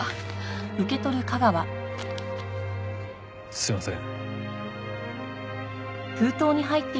すいません。